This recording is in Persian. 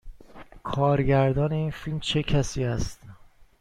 کارگردان این فیلم چه کسی است؟